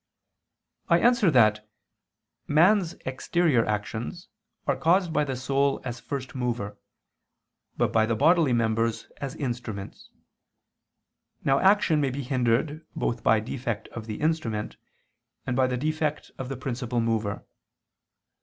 I answer that, Man's exterior actions are caused by the soul as first mover, but by the bodily members as instruments. Now action may be hindered both by defect of the instrument, and by defect of the principal mover.